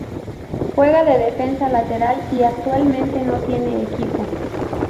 Juega de defensa lateral y actualmente no tiene equipo.